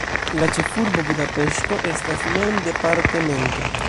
La ĉefurbo Budapeŝto estas mem departemento.